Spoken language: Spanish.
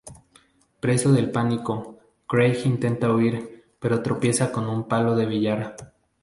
Preso del pánico, Craig intenta huir, pero tropieza con un palo de billar.